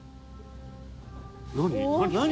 何？